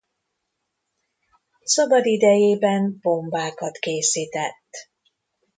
Szabadidejében bombákat készített.